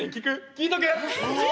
聞いとく？